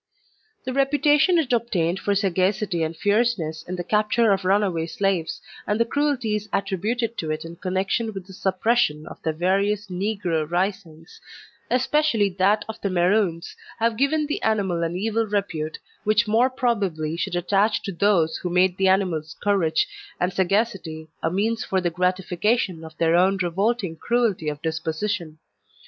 The reputation it obtained for sagacity and fierceness in the capture of runaway slaves, and the cruelties attributed to it in connection with the suppression of the various negro risings, especially that of the Maroons, have given the animal an evil repute, which more probably should attach to those who made the animal's courage and sagacity a means for the gratification of their own revolting cruelty of disposition.